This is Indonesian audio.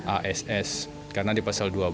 ass karena di pasal dua belas